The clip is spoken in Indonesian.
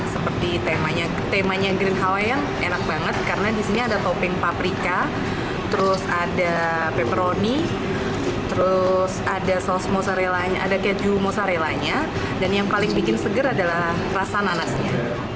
seperti temanya green hawaiian enak banget karena disini ada topping paprika terus ada pepperoni terus ada keju mozzarella nya dan yang paling bikin seger adalah rasa nanasnya